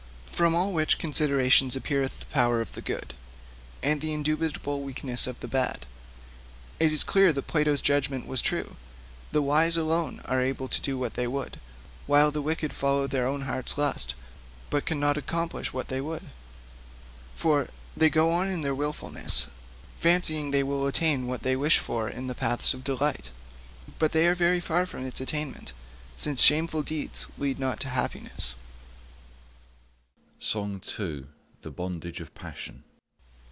From all which considerations appeareth the power of the good, and the indubitable weakness of the bad, and it is clear that Plato's judgment was true; the wise alone are able to do what they would, while the wicked follow their own hearts' lust, but can not accomplish what they would. For they go on in their wilfulness fancying they will attain what they wish for in the paths of delight; but they are very far from its attainment, since shameful deeds lead not to happiness.'